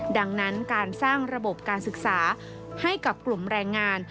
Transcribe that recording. ดังนั้นการสร้างระบบการศึกษาให้กับกลุ่มแรงงาน